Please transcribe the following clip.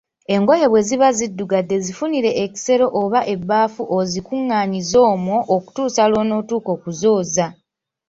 Engoye bwe ziba ziddugadde zifunire ekisero oba ebbaafu ozikunganyize omwo okutuusa lw‘onotuuka okuzooza